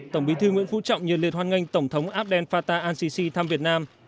tổng bí thư nguyễn phú trọng nhờ liệt hoan nghênh tổng thống abdel fattah an sisi thăm việt nam